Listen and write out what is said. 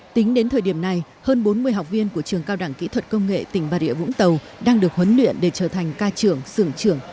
tính đến thời điểm này hơn bốn mươi học viên của trường cao đẳng kỹ thuật công nghệ tỉnh bà rịa vũng tàu đang được huấn luyện để trở thành ca trưởng sưởng trưởng